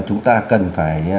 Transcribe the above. và chúng ta cần phải sửa luật ngay